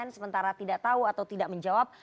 sementara tidak tahu atau tidak menjawab